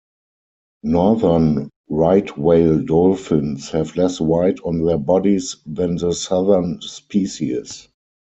Northern right whale dolphins have less white on their bodies than the southern species.